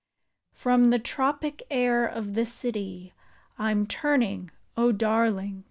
ROM the tropic air of the city I 'm turning, O darling